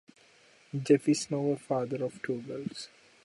Jeff is now a father a two girls.